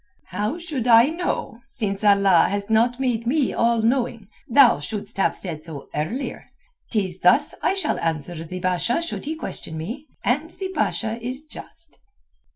"How should I know, since Allah has not made me all knowing? Thou shouldst have said so earlier. 'Tis thus I shall answer the Basha should he question me, and the Basha is just."